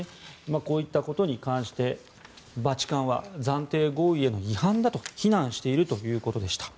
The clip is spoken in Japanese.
こういったことに関してバチカンは暫定合意への違反だと非難しているということでした。